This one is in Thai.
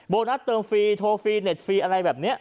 โบนัสเติมฟรีโทรฟรีเน็ตฟรีอะไรแบบนี้